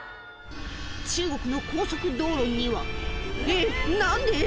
中国の高速道路にはえっ何で？